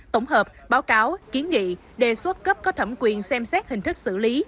tổng hợp báo cáo kiến nghị đề xuất cấp có thẩm quyền xem xét hình thức xử lý